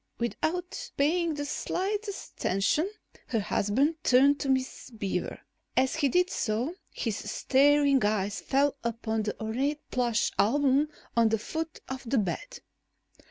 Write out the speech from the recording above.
Without paying the slightest attention, her husband turned to Miss Beaver. As he did so, his staring eyes fell upon the ornate plush album on the foot of the bed.